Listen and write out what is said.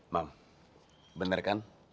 mam bener kan